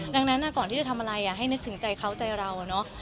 ดังนั้นก่อนที่จะทำอะไรให้นึกถึงใจเขาใจเราเนอะ